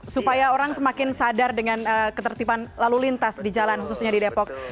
supaya orang semakin sadar dengan ketertiban lalu lintas di jalan khususnya di depok